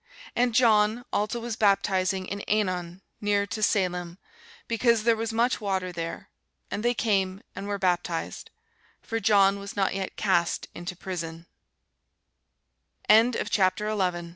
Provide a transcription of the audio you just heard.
And John also was baptizing in Ænon near to Salim, because there was much water there: and they came, and were baptized. For John was not yet cast into prison.